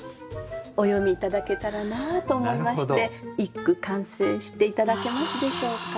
お詠み頂けたらなと思いまして一句完成して頂けますでしょうか。